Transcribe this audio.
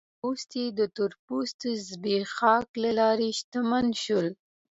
سپین پوستي د تور پوستو زبېښاک له لارې شتمن شول.